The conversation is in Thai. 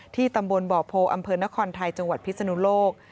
ตำบลบ่อโพอำเภอนครไทยจังหวัดพิศนุโลก